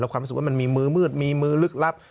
แล้วความสับสนว่ามันมีมือมืดมีมือลึกลับ